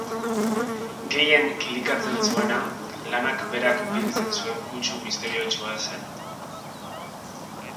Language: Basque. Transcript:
Gehien kilikatzen zuena lanak berak biltzen zuen kutsu misteriotsua zen.